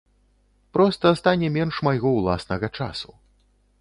Проста стане менш майго ўласнага часу.